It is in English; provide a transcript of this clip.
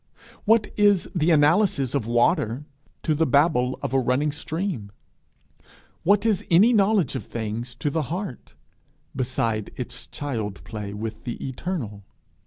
What is the analysis of water to the babble of a running stream? What is any knowledge of things to the heart, beside its child play with the Eternal!